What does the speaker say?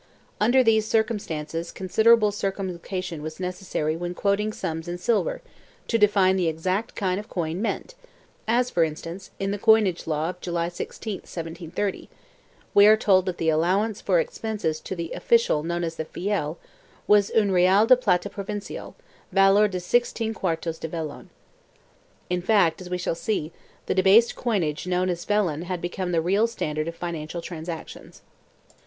Under these circumstances considerable circumlocution was necessary when quoting sums in silver to define the exact kind of coin meant as, for instance, in the coinage law of July 16, 1730, we are told that the allowance for expenses to the official known as the Fiel, was "un real de plata provincial, valor de 16 quartos de vellon." In fact, as we shall see, the debased coinage known as vellon had become the real standard of financial transactions.